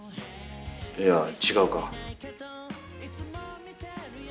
いや違うか。